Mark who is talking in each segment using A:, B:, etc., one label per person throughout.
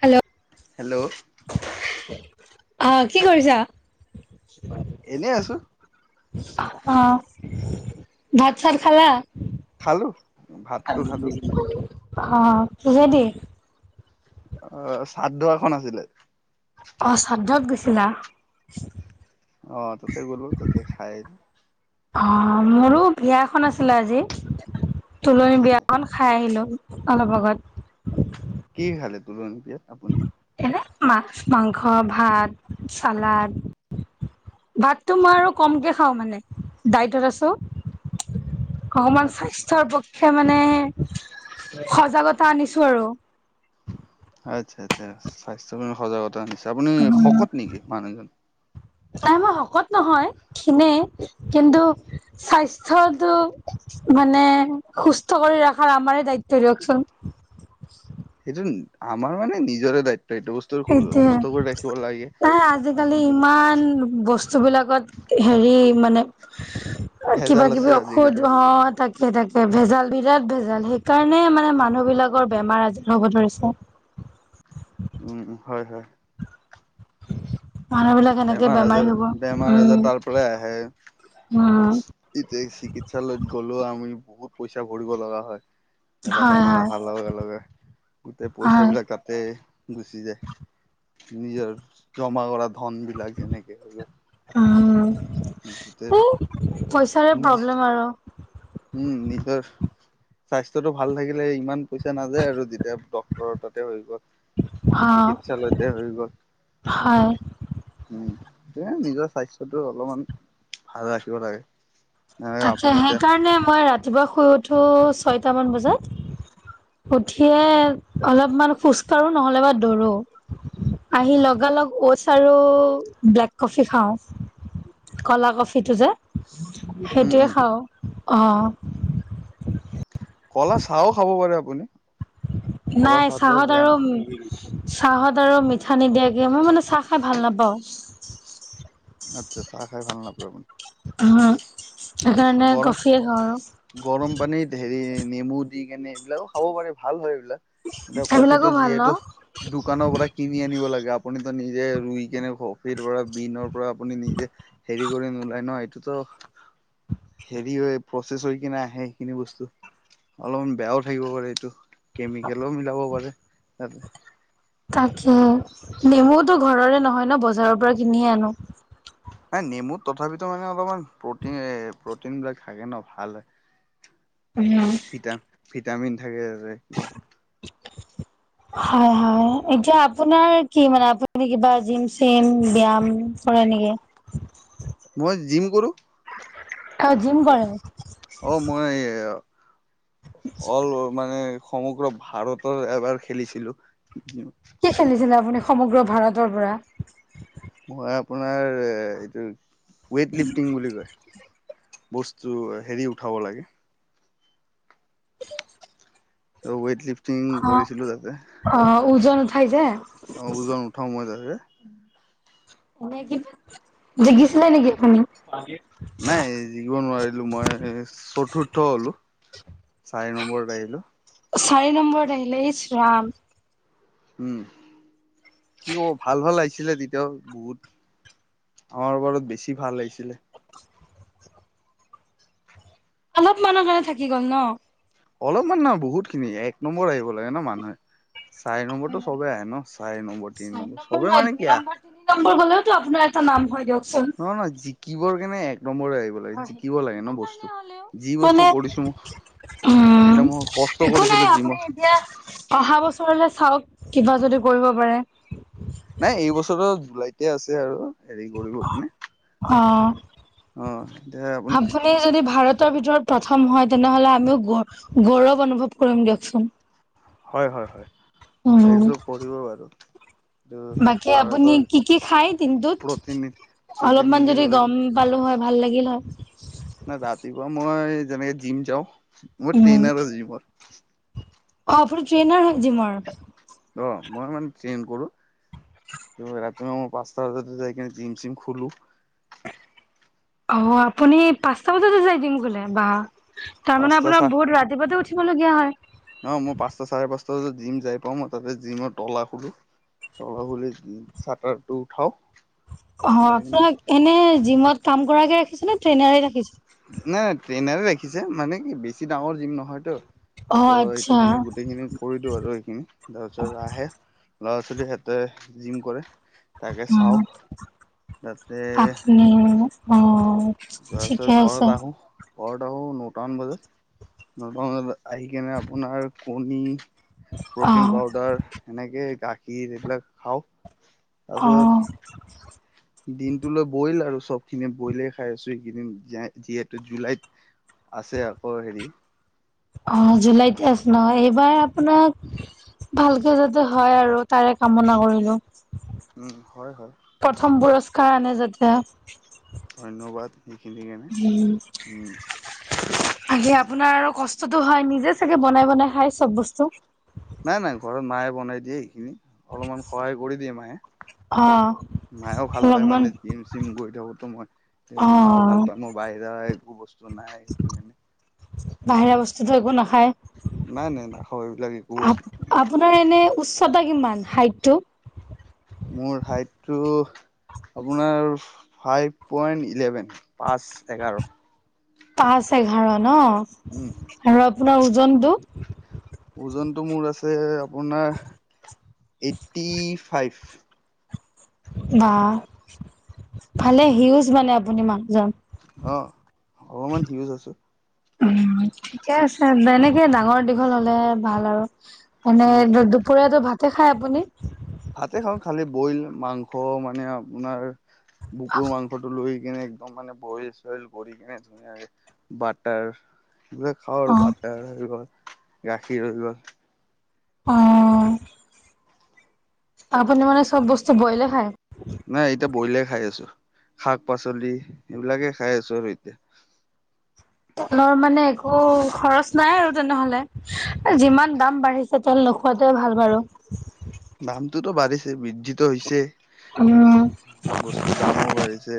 A: Hello
B: hello
A: অ কি কৰিছা
B: এনেই আছো
A: অ ভাত চাত খালা
B: খালো ভাতটো খালো
A: অ পজে দ
B: অ চাতদোৱা খ আছিলে
A: অস্ৰাদ্ধত গৈছিলা
B: অ তাতে গল তাতে খাই
A: অ মোৰো বিয়া এখন আছিলে আজি তুলনি
B: আচ্ছা আচ্ছা
A: বিয়াখনন খাই আহিলো অলপ আগত
B: কি খালে তুলনি বিয়াত আপুনি
A: এনে মাছ মাংস ভাত চালাড ভাতটো মই আৰু কমকে খাওঁ মানে ডাইটত আছোঁ অকমান
B: আচ্ছা
A: স্বাস্থ্যৰ পক্ষে মানে সজাগতা আনিছো আৰু
B: আচ্ছা আচ্ছা স্বাস্থ্যৰ সজাগতা নিছে আপুনি শকত নেকি মানুহজন
A: নাই মই শকত নহয় খনেে কিন্তু স্বাস্থ্যটো মানে সুস্থ কৰি ৰখাৰ আমাৰে দায়িত্ব দিয়কচোন। [inaudible]
B: সেইটো আমাৰ মানে নিজৰে দায়িত্ব। এইটো বস্তু
A: এটোয়ে
B: সুস্থ কৰি ৰাখিব লাগে
A: তাই আজিকালি
B: আপুনি
A: ইমান বস্তু বিলাকত হেৰি মানে
B: ভেজাল
A: কিবা
B: আছে
A: কিবি
B: আজিকালি
A: ঔষধ হ তাকে তাকে ভেজাল বিৰাত ভে জাল সেইকাৰণে মানে মানুহবলাকৰ বেমাৰ আজাৰ হ'ব ধৰিছে।
B: উম হয় হয়।
A: মানুহ বিলাক এনেকে
B: বেমাৰ
A: বেমাৰী
B: আজাৰ
A: হ'ব
B: বেমাৰ আজাৰ
A: উম
B: তাৰ পৰাই আহে।
A: উম
B: এতিয়া চিকিৎসালয়ত গ'লেও আমি বহুত পইচা ভৰিব লগা হয়। এটা
A: হয়
B: বেমাৰ
A: হয়
B: অহাৰ লগে লগে গোটেই পইচা
A: হয়
B: বিলাক কাটে। গুচি যায় নিজৰ জমা কৰা ধন বিলাক যেনেকে হলেও।
A: অ।
B: নিজ
A: প্ৰব্লেম আৰু
B: উম নিজৰ স্বাস্থ্যটো ভাল থাকিলে ইমান পইচা নাযায় আৰু যেতিয়া ডক্টৰ তাতে হৈ গ'ল।
A: অ
B: চিকিৎসালয়তে হৈ গল
A: হয়
B: উম। এ নিজৰ স্বাস্থ্যটো অলপমান ভাল ৰাখিব লাগে। এ
A: তাকে
B: আপুনি এতিয়া
A: সেইকাৰণে মই ৰাতিপুৱা শুই উঠো ছয়টামান বজাত। উঠিয়ে অলপমান খোজ কঢ়ো নহ'লে বা দৌৰোঁ। আহি লগালগ অ'টছ আৰু ব্লেক কফি খাওঁ। কলা কফিটো যে।
B: উম
A: সেইটোৱে
B: উম
A: খাওঁ অ।
B: কলা চাহও খাব পাৰে আপুনি। কলা
A: নাই
B: চাহটোও
A: চাহত
B: বেয়া
A: আৰু
B: নহয়
A: চাহত আৰু মিঠা নিদিয়াকৈ মই মানে চাহ খাই ভাল নাপাওঁ।
B: আচ্ছা চাহ খাই ভাল নাপাই বোলে।
A: সেইকাৰণে কফিয়ে খাওঁ
B: গৰম
A: আৰু।
B: পানীত হেৰি নেমু দি কেনে এইবিলাকো খাব পাৰে ভাল হয়। এতিয়া
A: সেইবিলাকো
B: কফিটো
A: ভাল
B: যিহেতু
A: ন
B: দোকানৰ পৰা কিনি আনিব লাগে। আপুনিতো নিজে ৰুই কেনে কফিৰ পৰা বিনৰ পৰা আপুনি নিজে হেৰি কৰি নোলায় ন এইটো। ছ
A: [inaudible]
B: হেৰি হয় প্ৰচেছ হৈ কিনে আহে সেইখিনি বস্তু অলপমান বেয়াও থাকিব পাৰে এইটো। কেমিকেলো মিলাব পাৰে তাত।
A: তাকে নেমুতো ঘৰৰে নহয় ন বজাৰৰ পৰা কিনিয়ে আনো।
B: এ নেমুত তথাপিতো মানে অলপমান প্ৰটিন প্ৰটিন বিলাক থাকে ন ভাল হয়।
A: উম।
B: ভিটাম ভিটামিন থাকে কিবা।
A: [inaudible] হয় হয় এতিয়া আপোনাৰ কি মানে আপুনি কিবা জিম চিম বাম কৰে কৰে নেকি?
B: মই জিম কৰো
A: অ জিম কৰে।
B: অ মই। অল মানে সমগ্ৰ ভাৰতৰ এবাৰ খেলিছিলো।
A: কি খেলিছিলে আপুনি সমগ্ৰ ভাৰতৰ পৰা?
B: মই আপোনাৰ এইটো ওৱেইট লিফটিং বুলি কয়। বস্তু হেৰি উঠাব লাগে। ত ৱেইট লিফটিং কৰিছিলো তাতে।
A: অ ওজন উঠাই যে
B: অ ওজন নুঠাও মই তাতে।
A: এনে কি জিগিছিলে আপুনি?
B: নাই জিকিব নোৱাৰিলো মই চতুৰ্থ হলো। চাৰি নম্বৰতে আহিলো।
A: চাৰি নম্বৰ আহিল ইচ ৰাম।
B: উম, কি কব ভাল - ভাল লাগিছিলে তেতিয়া বহুত আমাৰ ওপৰত বেছি ভাল আহিছিলে।
A: অলপমানানৰ কাৰণে থাকি গ'ল ন।
B: অলপমান নহ বহুত খিনি এক নম্বৰ আহিব লাগে ন মানুহে। চাৰেি নম্বৰটো চবেই আহ ন চাৰেি নম্বৰ তিনি নম্বৰ চবেই মানে কিয়
A: গলেও আপোনাৰ এটা নাম হয় দিয়ক।
B: নহ নহয় জিকিবৰ কেনে এক নমৰে আহিব লাগে
A: হয়
B: জিকিব লাগে
A: জিকিবৰ
B: ন
A: কাৰণে
B: বস্তু
A: হলেও
B: যি
A: মানে
B: বস্তু কৰিছো মই
A: উম
B: এন্তয়া মই কষ্ট
A: একো নাই
B: কৰিছিলো
A: আপুনি
B: যিমত।
A: এতিয়া অহা বছৰলে চাওক কিবা যদি কৰিব পাৰে।
B: নাই এইবছৰ জুলাইতে আছে আৰু হেৰি কৰিব কেনে
A: অ
B: অ এতিয়া
A: আপুনি যদি ভাৰতৰ ভিতৰত প্ৰথম হয় তেনেহলে আমিও গ গৌৰৱ অনুভৱ কৰিম দিয়কচোন।
B: হয় - হয় - হয়
A: উম।
B: এইযোৰ কৰিব বাৰু এইটো
A: বাকী আপুনি
B: ভাৰতৰ
A: কি - কি খাই দিনত
B: প্ৰতিনিধ
A: অলপমান
B: প্ৰতিনিধি
A: যদি গম পালো হয়। ভাল লাগিল হয়।
B: নাই ৰাতিপুৱা মই যেনেকে জিম যাও মই
A: উম।
B: ট্ৰেইনাৰ জিমৰ।
A: অ আপুনি ট্ৰেইনাৰ হৈ যিমৰ।
B: অ, মই মানে ট্ৰেইন কৰো। কি ৰাতি মা মই পাচটা বজাত যাই কিনে জিম চিম খলো।
A: অ, আপুনি পাচটা বজাতে যাই দিম বোলে বাাহ তাৰ মানে
B: পাঁচটা
A: আপোনাৰ
B: চাৰে
A: বহুত ৰাতিপুৱা উঠি উঠিবলগীয়া হয়।
B: অ, মই পাচটা চাৰে পাচটা বজাত জিম যাই পাও মই তাতে জিমৰ তলা খোলো চলা হ চাটাৰটো উঠাও।
A: অ,
B: উঠাই কিনে নাই
A: আপোনাক এনে জিমত কাম কৰাকে ৰাখিছ নে ট্ৰেইনাৰ ৰাখিছে।
B: নাই ট্ৰেইন ৰাখিছে মানে কি বেছি ডাঙৰ জিম নহয়টো।
A: অ
B: ত' সেইটো
A: আচ্ছা।
B: কেনে গোটেইখিনি কৰি দিও আৰু সেইখিনি তাৰপিছত আহে। ল'ৰা ছোৱালীয়ে সিহতে জিম কৰে। তাকে
A: উম,
B: চাওঁ তাতে
A: আপনি অহ,
B: তাৰপিছত
A: ঠিকে আছে।
B: ঘৰত আহোঁ ঘৰত আহো নটামান বজাত নটামান বজাতা আহি কেনে আপোনাৰ কণী। প্ৰটিন
A: অ।
B: পাউদাৰ এনেকে গাখীৰ এইবিলাক খাও।
A: অহ ',
B: দিনটোলৈ বইল আৰু চবখিনি বইলে খাই আছো এইকেইদিন যিহেতু জুলাইত। আছে আকৌ হেৰি।
A: অ, জুলাইত আছে ন এইবাৰ আপোনাক ভালকে যাতে। হয় আৰু তাৰে কামনা কৰিলো।
B: উম, হয় - হয়।
A: কাৰ আনে যাতে।
B: ধন্যবাদ। সেইখিনি কাৰণে
A: উম,
B: উম
A: আহি আপোনাৰ আৰু কষ্ট। বস্তুটো হয় নিজে চাগে বনাই বনাই খাই চব বস্তু।
B: নাই - নাই ঘৰত মায়ে বনাই দিয়ে এইখিনি অলপমান সহায় কৰি দিয়ে মায়ে।
A: অ',
B: মায়েও ভাল পায়
A: অলপমান
B: মানে জিম চিম গৈ থাকোতো মই। মাও ভাল
A: অ',
B: পায় মই বাহিৰ‌াৰ একো বস্তু নাই সেইটো কাৰণে।
A: বাহিৰা বস্তুটো একো নাখায়ে।
B: নাই - নাই নাখাও এইবিলাক একো বস্তু।
A: আপোনাৰ এনে উচ্চতা কিমান হাইটটো।
B: মোৰ হাইটটো। আপোনাৰ ফাইভ পইণ্ট ইলেভেন পাঁচ এঘাৰ।
A: পাঁচ এঘাৰ ন
B: উম
A: আৰু আপোনাৰ ওজনটো।
B: ওজনটো মোৰ আছে আপোনাৰ এইটটি ফাইভ।
A: বা ভালে সিউজ মানে আপুনি মানুহজন।
B: অ অলপমান সিউজ আছো।
A: উ ঠিকে আছে এনেকে ডাঙৰ দীঘল হলে ভাল আৰু।
B: উম
A: মানে দুপৰীয়াটো ভাতে খাই আপুনি।
B: ভাতে খাওঁ খালি বইল মাংস মানে আপোনাৰ বুকুৰ মাংসটো লৈ। নে একদম মানে বইল চল গ কিনে ধুনীয়াকে বাটাৰ। সেইবিলাক খাওঁ
A: অ
B: আৰু বাটাৰ লৈ গাখীৰ লৈ।
A: অ আপুনি মানে চব বস্তু বইলে খায়।
B: নাই এতিয়া বইলে খাই আছো শাক পাচলি এইবিলাকে খাই আছো আৰু এতিয়া।
A: তেলৰ মানে একো খৰচ নাই আৰু তেনেহলে যিমান দাম বাঢ়িছে তেল। নোখোৱাটোৱে ভাল বাৰু।
B: দামটোতো বাঢ়িছে বৃদ্ধি। যিটো হৈছে
A: উম
B: বস্তুৰ দামো বাঢ়িছে।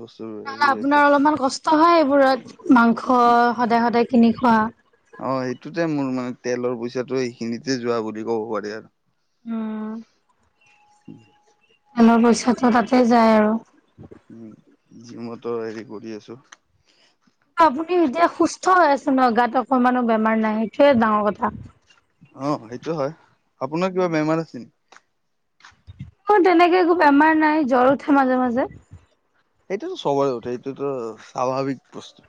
B: বস্তুৰ
A: তেনেহ'লে
B: হেৰি হৈছে।
A: আপোনাৰ অলপমান কষ্ট হয় এইবোৰত। মাংস সদায় সদায় কিনি খোৱা।
B: অ সেইটোতে মোৰ মানে তেলৰ পইচাটো এইখিনিতে যোৱা বুলি ক'ব পাৰি আৰু।
A: উম।
B: উম [unintelligible]
A: তেলৰ পইচাটো তাতে যায় আৰু।
B: উম জিমতো‌ হেৰি কৰি আছো।
A: চাই আছো ন গাত অকণমানো বেমাৰ নাই সেইটোয়ে ডাঙৰ কথা।
B: অ সেইটো হয় আপোনাৰ কিবা বেমাৰ আছে নেকি।
A: অ তেনেকে একো বেমাৰ নাই জ্বৰ উঠে মাজে মাজে।
B: এইটোাতো সবৰে উঠে এইটোতো স্বাভাৱিক প্ৰশ্ন।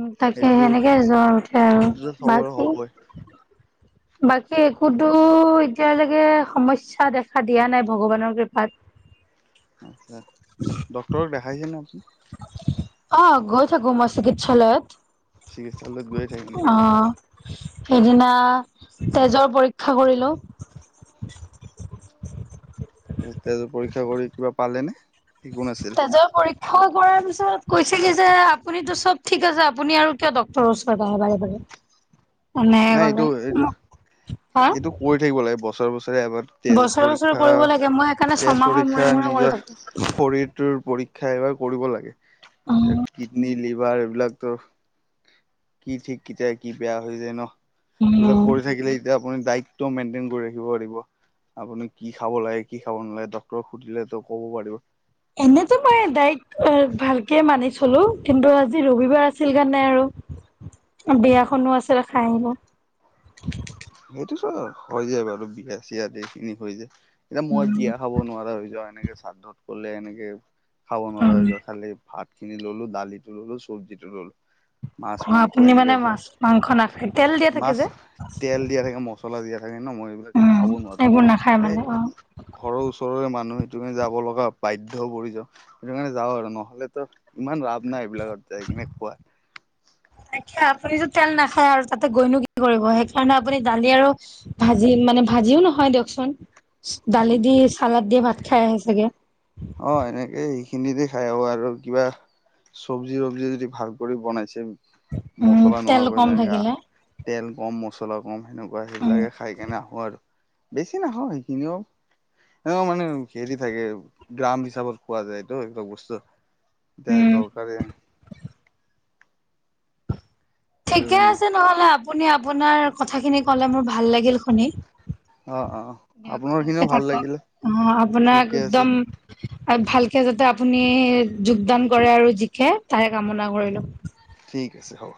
A: উ তাকে সেনেকে জ্বৰ উঠে আৰু
B: এইটোতো চবৰে
A: বাকী।
B: হ'বই
A: বাকী একোতো এতিয়ালৈকে সমস্যা দেখা দিয়া নাই ভগৱানৰ কৃপাত। উ [unintelligible]
B: আচ্ছা ডক্টৰক দেখাইছেনে আপুনি?
A: অ গৈ থাকো মই চিকিৎসালয়ত।
B: চিকিৎসালয়ত গৈ থাকে নেকি
A: অ
B: আপ
A: সেইদিনা তেজৰ পৰীক্ষা কৰিলোঁ।
B: তেজ পৰীক্ষা কৰি কিবা পালে নে, একো নাছিল।
A: হ্য় কৰাৰ পিছত কৈছে কি যে আপুনিটো চব ঠিক আছে, আপুনি আৰু কিয় ডক্টৰৰ ওচৰত আহে বাৰে বাৰে। এনে
B: নাই এইটো
A: গলে
B: এইটো
A: মোক হা।
B: এইটো কৰি থাকিব লাগে বছৰে বছৰে এবাৰ তেজ
A: বছৰে বছৰে
B: পৰীক্ষা,
A: কৰিব লাগে মই সেইকাৰণে
B: তেজ
A: ছমাহৰ মূৰে
B: পৰীক্ষা
A: মূৰে কৰি
B: নিজৰ
A: থাকো।
B: শৰীৰটোৰ পৰীক্ষা খাই এবাৰ কৰিব লাগে,
A: উম
B: কিডনী লিভাৰ বলাকতো কি ঠিক কিতিয়া কি বেয়া হৈ যায় ন। এইবিলাক
A: উম।
B: কৰি থাকিলে এতিয়া আপুনি ডাইত মেইনটেইন কৰি ৰাখিব পাৰিব। আপুনি কি খাব লাগে কি খাব নালাগে ডক্টৰক সুধিলেতো ক'ব পাৰিব।
A: এনেতো মই ডাইত ভালকে মানি চলো কিন্তু আজি ৰবিবাৰ আছিল কাৰণে আৰু। বিয়াখনো আছিল খাই আহিব।
B: সেইটো চ, হৈ যায় বাৰু বিয়া চিয়া এইখিনি হৈ যায়। এতিয়া মই
A: উম।
B: বিয়া খাব নোৱাৰা হৈ যাওঁ, এনেকে শাদ্ধত গলে এনেকে খাব নোৱাৰা
A: উম
B: হৈ যাওঁ খালি ভাত খিনি ল'লো দালিটো ল'লো চব্জিটো ললো। মাছ
A: অ
B: মাংস
A: আপুনি
B: এনেকে
A: মানে মাছ মাংস নাখাই, তেল দিয়া থাকে
B: মাছ
A: যে।
B: তেল দিয়া থাকে মছলা দিয়া থাকে ন মই এইবিলাক
A: উম
B: খাব নোৱাৰো
A: এইবোৰ নাখায় মানে অ।
B: ঘৰৰ ওচৰৰে মানুহ সেইটো কাৰণে যাব লগা বাধ্য পৰি যাওঁ, সেইটো কাৰণে যাও, আৰু নহলেতো ইমান ৰাপ নাই এইবিলাকত। যায় কিনে খোৱা।
A: হয়। কিয়া আপুনিটো তেল নাখায় আৰু তাতে গৈনো কি কৰিব। সেইকাৰণে আপুনি দালি আৰু ভাজি মানে ভাত যিও নহয় দিয়কচোন দালি দি চালাদ দিয়ে ভাত খাই আহে চাগে।
B: অ এনেকেই। খিনি দি খাই আহো আৰু কিবা চব্জি, ৰব্জি, যদি ভাল কৰি বনাইছে
A: উম
B: মছলা
A: তেল
B: নোহোৱাকৈ
A: কম
B: যেনেকা
A: থাকিলে
B: তেল কম মছলা মছলা কম সেনেকুৱা
A: উম
B: সেইবিলাকে খাই কেনে আহো আৰু বেছি নাখাও সেইখিনিও তেওঁ মানে খেলি থাকে। গ্ৰাম, হিচাপত পোৱা যায়তো এইবিলাক বস্তুএতিয়া
A: উম।
B: দৰকাৰে সেইটো
A: ঠিকে
B: কাৰণে
A: আছে নহলে আপুনি আপোনাৰ কথাখিনি কলে মোৰ ভাল লাগিল শুনি।
B: অ অ
A: দিয়ক
B: আপোনাৰ খিনিও
A: ভালকে
B: ভাল
A: থাকক
B: লাগিলে
A: অ আপোনাক
B: ঠিকে আছে
A: একদম ভালকে যাতে আপুনি যোগদান কৰে আৰু জিকে তাৰে কামনা কৰি লো।
B: ঠিক আছে হ'ব।